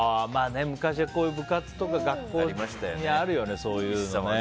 昔は、こういう部活とか学校にあるよね、そういうの。